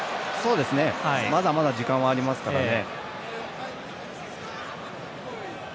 まだまだ時間はありますからね。